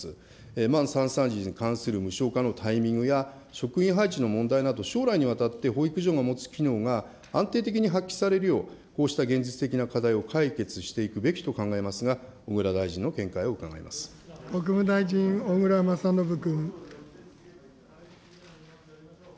満３歳児に関する無償化のタイミングや職員配置の問題など将来にわたって保育所の持つ機能が安定的に発揮されるよう、こうした現実的な課題を解決していくべきと考えますが、小倉大臣の見解を伺国務大臣、小倉將信君。